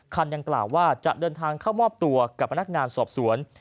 คันดังกล่าวว่าจะเดินทางเข้ามอบตัวกับพนักงานสอบสวน